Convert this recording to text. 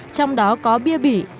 trong đó có bia bỉ